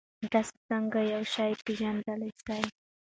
تاسې څنګه یو شی پېژندلای سئ؟